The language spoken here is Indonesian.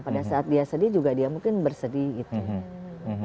pada saat dia sedih juga dia mungkin bersedih gitu